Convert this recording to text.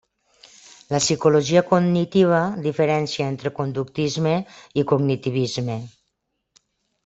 La psicologia cognitiva diferència entre conductisme i cognitivisme.